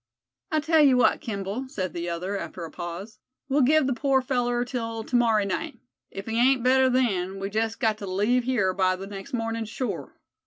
"I tell you what, Kimball," said the other, after a pause, "we'll give the poor feller till to morry night. If he ain't better then, we jest got to leave hyar by the next mornin' sure.